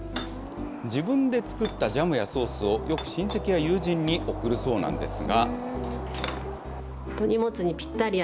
自分で作ったジャムやソースをよく親戚や友人に送るそうなんですが。